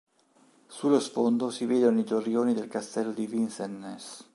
Sullo sfondo si vedono i torrioni del Castello di Vincennes.